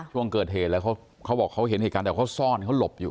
ช่วงเกิดเหตุแล้วเขาบอกเขาเห็นเหตุการณ์แต่เขาซ่อนเขาหลบอยู่